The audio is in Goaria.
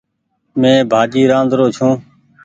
مين ڀآڃي رآدرو ڇون ۔